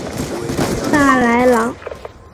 萨莱朗。